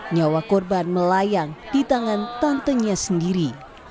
nyawa korban melayang di tangan tantenya sendiri